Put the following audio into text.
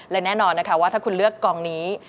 และแน่นอนนะคะว่าถ้าคุณเลือกกองนี้